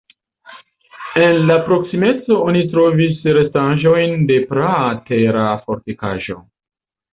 En la proksimeco oni trovis restaĵojn de praa tera fortikaĵo.